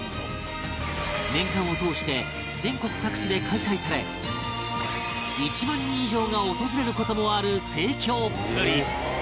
年間を通して全国各地で開催され１万人以上が訪れる事もある盛況っぷり